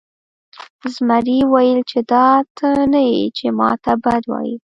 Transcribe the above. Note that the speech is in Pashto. زمري وویل چې دا ته نه یې چې ما ته بد وایې.